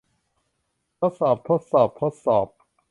ทดสอบ ทดสอบ ทดสอบ